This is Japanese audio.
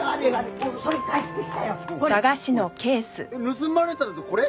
盗まれたのってこれ！？